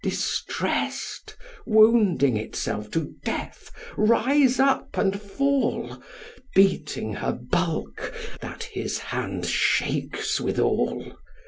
distress'd, Wounding itself to death, rise up and fall, Beating her bulk, that his hand shakes withal.